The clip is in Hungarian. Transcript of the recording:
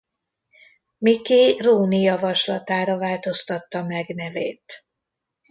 Mickey Rooney javaslatára változtatta meg nevét.